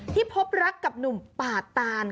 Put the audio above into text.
พบรักกับหนุ่มป่าตาน